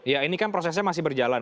ya ini kan prosesnya masih berjalan